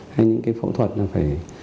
hay những cái phẫu thuật là phải